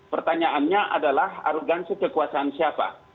pertanyaannya adalah arogansi kekuasaan siapa